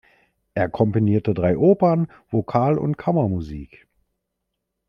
Er komponierte drei Opern, Vokal- und Kammermusik.